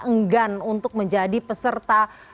enggan untuk menjadi peserta